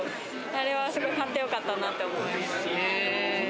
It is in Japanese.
あれはすごく買ってよかったなって思います。